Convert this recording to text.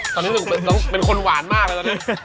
ตอนนี้รู้สึกต้องเป็นคนหวานมากแล้วนะ